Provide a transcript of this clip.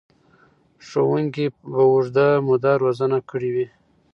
ښوونکي به اوږده موده روزنه کړې وي.